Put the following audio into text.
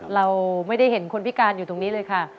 เราไม่ได้เห็นคนพิการอยู่ตรงนี้เลยค่ะ